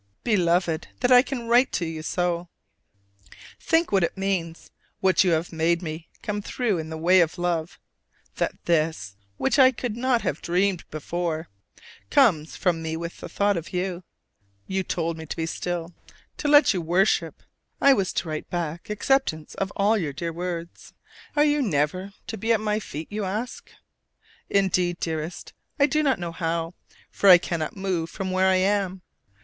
Beloved, that I can write so to you, think what it means; what you have made me come through in the way of love, that this, which I could not have dreamed before, comes from me with the thought of you! You told me to be still to let you "worship": I was to write back acceptance of all your dear words. Are you never to be at my feet, you ask. Indeed, dearest, I do not know how, for I cannot move from where I am!